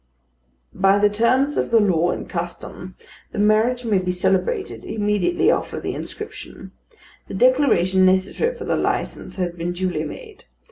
By the terms of the law and custom, the marriage may be celebrated immediately after the inscription. The declaration necessary for the licence has been duly made.